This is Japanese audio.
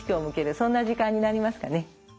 そんな時間になりますかね。